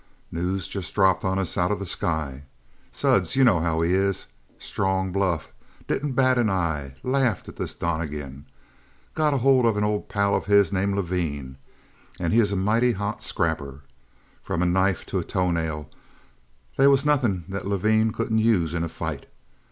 "News just dropped on us out of the sky. Suds, you know how he is. Strong bluff. Didn't bat an eye. Laughed at this Donnegan. Got a hold of an old pal of his, named Levine, and he is a mighty hot scrapper. From a knife to a toenail, they was nothing that Levine couldn't use in a fight.